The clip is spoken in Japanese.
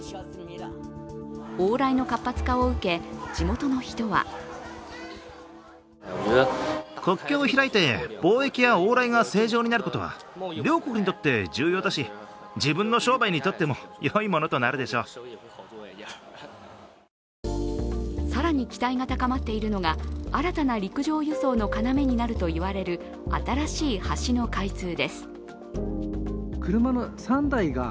往来の活発化を受け、地元の人は更に期待が高まっているのが新たな陸上輸送のかなめになると言われる新しい橋の開通です。